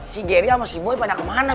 si geri sama si boy pada kemana bi